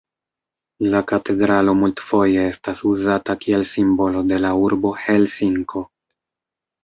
La katedralo multfoje estas uzata kiel simbolo de la urbo Helsinko.